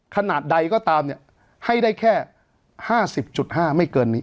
ขนาดใดก็ตามเนี่ยให้ได้แค่ห้าสิบจุดห้าไม่เกินนี้